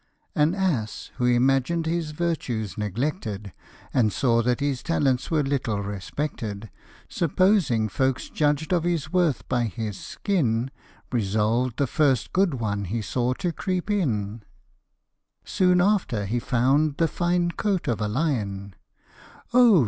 AN ass who imagined his virtues neglected, And saw that his talents were little respected ; Supposing folks judged of his worth by his skin, Resolved the first good one he saw to creep in. The Monkey & Grapes . Tlie Ass in the Lions sldn. Soon after he found the fine coat of a lion ;" Oh